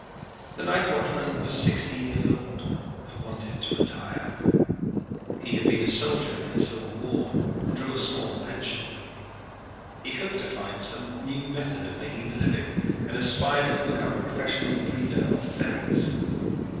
The night watchman was sixty years old and wanted to retire. He had been a soldier in the Civil War and drew a small pension. He hoped to find some new method of making a living and aspired to become a professional breeder of ferrets.